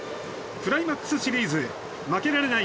クライマックスシリーズへ負けられない